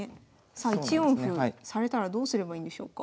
さあ１四歩されたらどうすればいいんでしょうか？